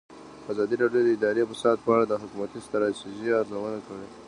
ازادي راډیو د اداري فساد په اړه د حکومتي ستراتیژۍ ارزونه کړې.